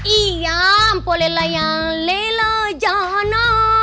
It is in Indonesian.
iya po lela yang lela jana